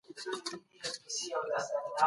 ناحقه د مال خوړل په دنيا او اخرت کي تاوان لري.